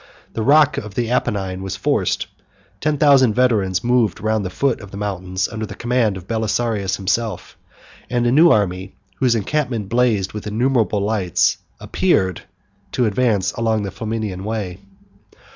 The rock of the Apennine was forced; ten thousand veterans moved round the foot of the mountains, under the command of Belisarius himself; and a new army, whose encampment blazed with innumerable lights, appeared to advance along the Flaminian way.